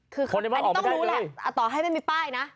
คืออันนี้ต้องรู้แหละต่อให้ไม่มีป้ายนะ